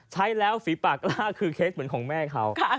ใช้แล้วฝีปากล้า